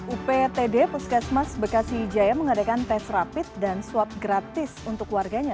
uptd puskesmas bekasi jaya mengadakan tes rapid dan swab gratis untuk warganya